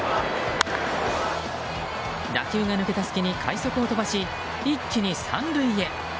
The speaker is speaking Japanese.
打球が抜けた隙に快足を飛ばし一気に３塁へ。